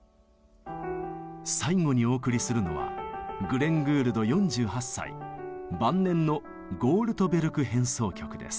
最後にお送りするのはグレン・グールド４８歳晩年の「ゴールトベルク変奏曲」です。